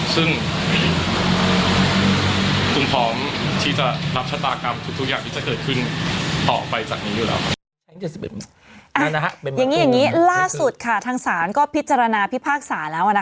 ซึ่งคุณพร้อมที่จะรับชะตากรรมทุกอย่างที่จะเกิดขึ้นต่อไปจากนี้อยู่แล้ว